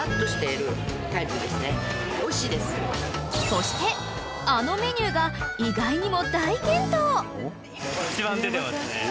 ［そしてあのメニューが意外にも大健闘］